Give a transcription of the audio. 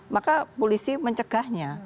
maka polisi mencegahnya